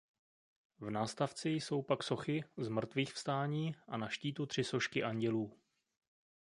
V nástavci jsou pak sochy "Zmrtvýchvstání" a na štítu tři sošky andělů.